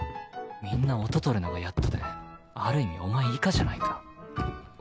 みんな音取るのがやっとである意味お前以下じゃないか。